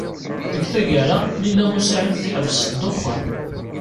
Deg tgara, Lila u Saɛid teḥbes ddexxan.